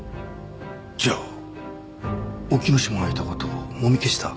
じゃあ沖野島がいたことをもみ消した？